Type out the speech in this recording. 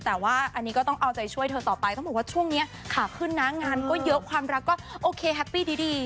แต่ว่าอันนี้ก็ต้องเอาใจช่วยเธอต่อไปต้องบอกว่าช่วงนี้ขาขึ้นนะงานก็เยอะความรักก็โอเคแฮปปี้ดี